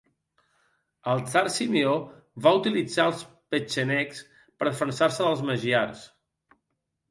El tsar Simeó va utilitzar els petxenegs per defensar-se dels magiars.